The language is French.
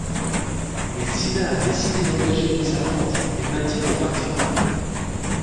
Mais Zeena a décidé d'engager une servante, et Mattie doit partir.